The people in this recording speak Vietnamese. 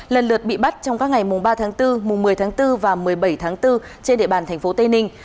lần lượt bị bắt trong các ngày ba tháng bốn một mươi tháng bốn và một mươi bảy tháng bốn trên địa bàn tp tây ninh